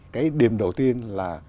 cái điểm đầu tiên là